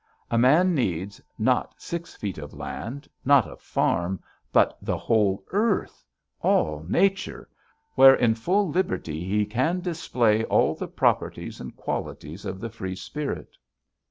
A man needs, not six feet of land, not a farm, but the whole earth, all Nature, where in full liberty he can display all the properties and qualities of the free spirit.